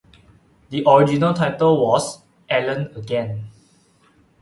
The original title was "Ellen Again".